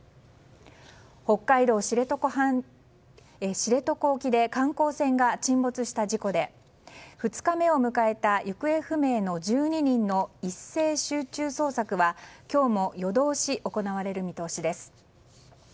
北海道知床沖で観光船が沈没した事故で２日目を迎えた行方不明の１２人の一斉集中捜索は今日も夜通し行われる見通しです。